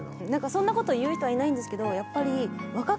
そんなことを言う人はいないんですけどやっぱり。